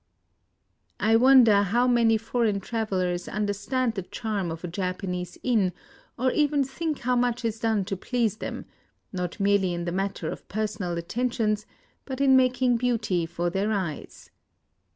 I wonder how many foreign travelers un derstand the charm of a Japanese inn, or even think how much is done to please them, not merely in the matter of personal attentions, but in making beauty for their eyes.